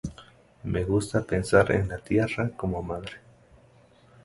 Me gusta pensar en la Tierra como madre.